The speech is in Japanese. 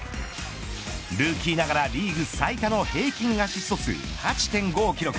ルーキーながらリーグ最多の平均アシスト数８．５を記録。